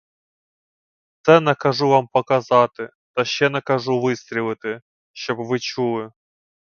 Все накажу вам показати, та ще накажу вистрілити, щоб ви чули.